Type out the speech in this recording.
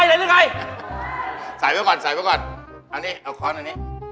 เอาค้อนปอนไว้